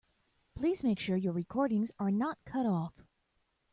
Please make sure your recordings are not cut off.